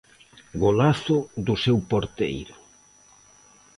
Golazo do seu porteiro.